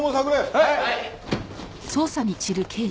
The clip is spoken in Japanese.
はい！